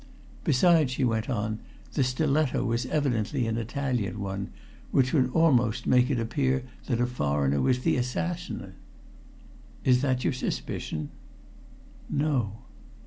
"Besides," she went on, "the stiletto was evidently an Italian one, which would almost make it appear that a foreigner was the assassin." "Is that your own suspicion?" "No."